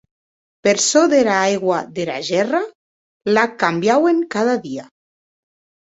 Per çò dera aigua dera gèrra, l'ac cambiauen cada dia.